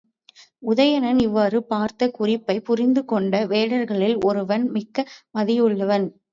உதயணன் இவ்வாறு பார்த்த குறிப்பைப் புரிந்துகொண்ட வேடர்களில் ஒருவன் மிக்க மதியுள்ளவன்.